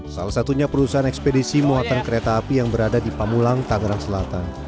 salah satunya perusahaan ekspedisi muatan kereta api yang berada di pamulang tangerang selatan